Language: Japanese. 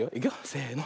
せの。